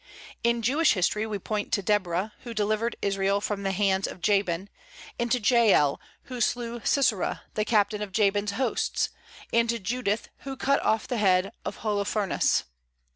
In Jewish history we point to Deborah, who delivered Israel from the hands of Jabin; and to Jael, who slew Sisera, the captain of Jabin's hosts; and to Judith, who cut off the head of Holofernes.